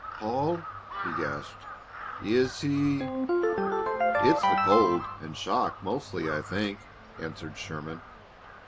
"Paul " he gasped; "is he " "It's the cold and shock mostly, I think," answered Sherman.